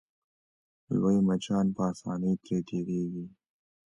لوی مچان په اسانۍ ترې تېرېږي.